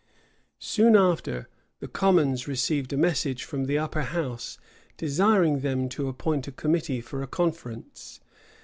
Soon after, the commons received a message from the upper house, desiring them to appoint a committee for a conference.